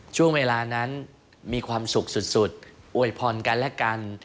ช่วงเวลานั้นมีความสุขสุดอวยพรกันและกัน